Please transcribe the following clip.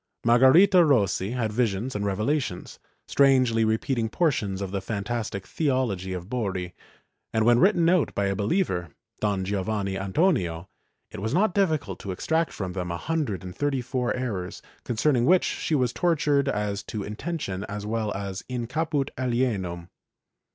Margarita Rossi had visions and revelations, strangely repeating portions of the fantastic theology of Borri, and when written out by a believer, Don Giovanni Antonio, it was not difficult to extract from them a hundred and thirty four errors, concerning which she was tor tured as to intention as well as in caput alienum.